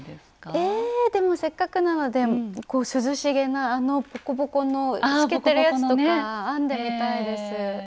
えでもせっかくなので涼しげなあのボコボコの透けてるやつとか編んでみたいです。